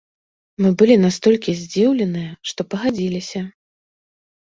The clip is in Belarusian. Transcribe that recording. Мы былі настолькі здзіўленыя, што пагадзіліся.